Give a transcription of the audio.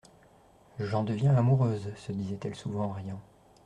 «J'en deviens amoureuse», se disait-elle souvent en riant.